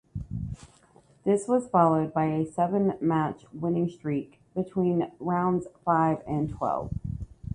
This was followed by a seven match winning streak between rounds five and twelve.